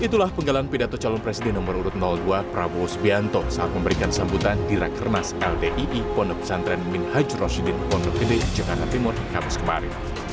itulah penggalan pendatang calon presiden nomor urut dua prabowo subianto saat memberikan sambutan di rakernas ldii pondok santren min haj rosyidin pondok gede jangan hatimur habis kemarin